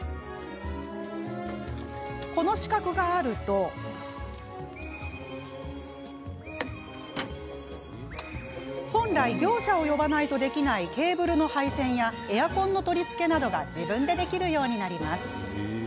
この資格があると本来、業者を呼ばないとできないケーブルの配線やエアコンの取り付けなどが自分でできるようになります。